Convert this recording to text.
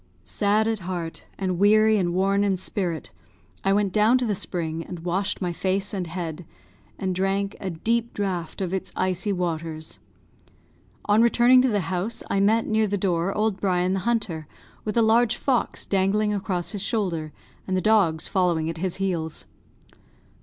Sad at heart, and weary and worn in spirit, I went down to the spring and washed my face and head, and drank a deep draught of its icy waters. On returning to the house I met, near the door, old Brian the hunter, with a large fox dangling across his shoulder, and the dogs following at his heels.